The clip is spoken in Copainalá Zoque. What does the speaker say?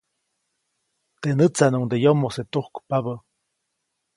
Teʼ nätsaʼnuŋde yomose tujkpabä.